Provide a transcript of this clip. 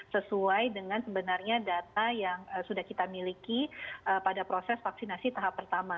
sesuai dengan sebenarnya data yang sudah kita miliki pada proses vaksinasi tahap pertama